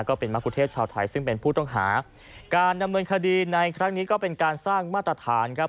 ก็เป็นมะกุเทศชาวไทยซึ่งเป็นผู้ต้องหาการดำเนินคดีในครั้งนี้ก็เป็นการสร้างมาตรฐานครับ